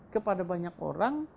kepada banyak orang